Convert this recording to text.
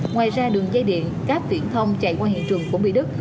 ngoài ra đường dây điện cáp viễn thông chạy qua hiện trường cũng bị đứt